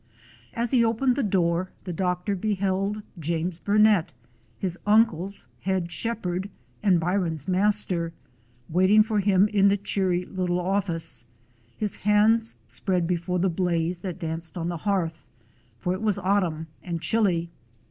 As he opened the door the doctor beheld James Burnet, his uncle's head shepherd and Byron's master, waiting for him in the cheery little office, his hands spread before the blaze that danced on the hearth, for it was autumn and chilly.